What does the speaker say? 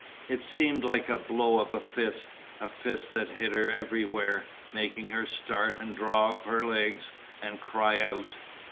It seemed like the blow of a fist, a fist that hit her everywhere, making her start and draw up her legs and cry out.